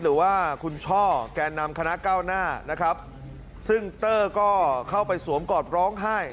หรือว่าคุณช่อแก่นำคณะเก้าหน้านะครับซึ่งเตอร์ก็เข้าไปสวมกอดร้องไห้